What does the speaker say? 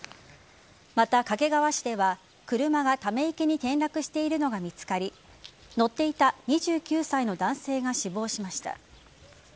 また、掛川市では車がため池に転落しているのが見つかり乗っていた２９歳の男性が死亡しました。